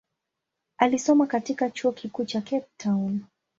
Alisoma katika chuo kikuu cha Cape Town.